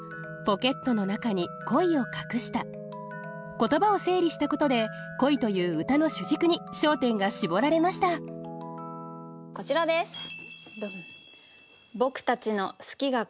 言葉を整理したことで「恋」という歌の主軸に焦点が絞られましたこちらですどん。